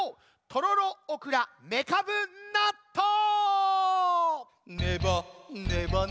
「とろろおくらめかぶなっとう」！